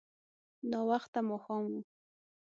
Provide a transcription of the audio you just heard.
ناوخته ماښام و.